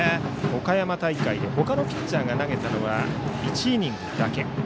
岡山大会で他のピッチャーが投げたのは１イニングだけ。